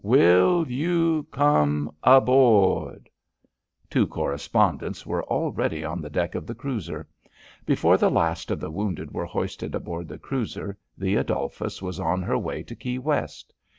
Will you come aboard?" Two correspondents were already on the deck of the cruiser. Before the last of the wounded were hoisted aboard the cruiser the Adolphus was on her way to Key West.